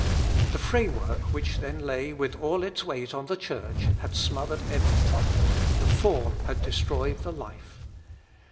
The framework which then lay with all its weight on the Church had smothered everything; the form had destroyed the life.